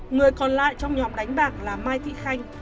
người còn lại trong nhóm đánh bạc là mai thị khanh